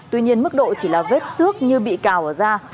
tuy nhiên mức độ chỉ là vết xước như bị cào ở da